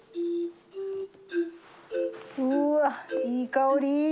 うわいい香り！